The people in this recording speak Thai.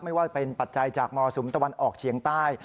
ว่าเป็นปัจจัยจากมรสุมตะวันออกเฉียงใต้